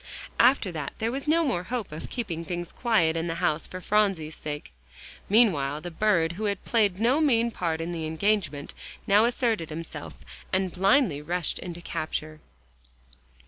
After that, there was no more hope of keeping things quiet in the house for Phronsie's sake. Meanwhile the bird, who had played no mean part in the engagement, now asserted himself, and blindly rushed into capture.